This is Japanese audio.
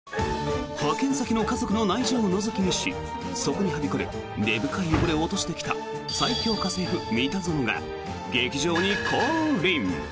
派遣先の家族の内情をのぞき見しそこに、はびこる根深い汚れを落としてきた最恐家政夫、三田園が劇場に降臨。